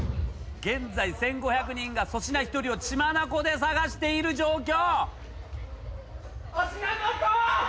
現在１，５００人が粗品１人を血眼で捜している状況。